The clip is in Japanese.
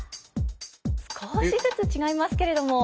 少しずつ違いますけれども。